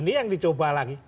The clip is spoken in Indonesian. ini yang dicoba lagi